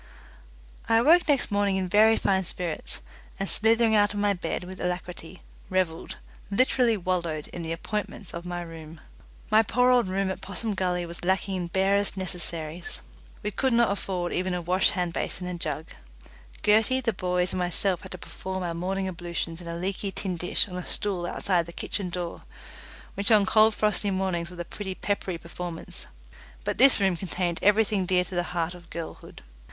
I awoke next morning in very fine spirits, and slithering out of my bed with alacrity, revelled literally wallowed in the appointments of my room. My poor old room at Possum Gully was lacking in barest necessaries. We could not afford even a wash hand basin and jug; Gertie, the boys, and myself had to perform our morning ablutions in a leaky tin dish on a stool outside the kitchen door, which on cold frosty mornings was a pretty peppery performance: but this room contained everything dear to the heart of girlhood.